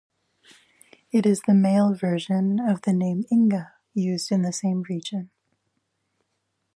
It is the male version of the name Inga, used in the same region.